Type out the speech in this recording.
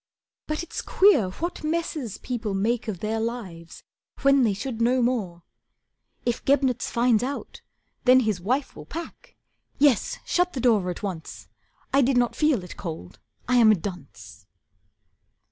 But it's queer What messes people make of their lives, when They should know more. If Gebnitz finds out, then His wife will pack. Yes, shut the door at once. I did not feel it cold, I am a dunce."